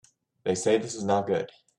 They say this is not good.